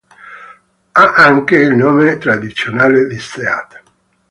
Ha anche il nome tradizionale di Seat.